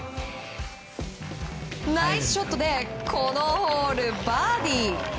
ナイスショットでこのホール、バーディー。